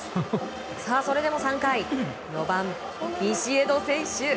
それでも３回４番、ビシエド選手。